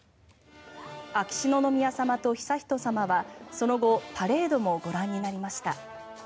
秋篠宮さまと悠仁さまはその後パレードもご覧になりました。